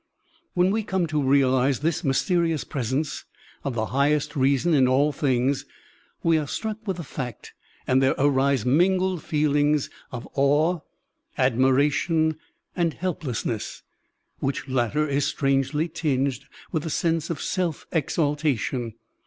When we come to realize this mysterious presence of the highest reason in all things, we are struck with the fact and there arise mingled feelings of awe, admira tion, and helplessness, which latter is strangely tinged with a sense of self exaltation.